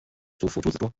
祖父朱子庄。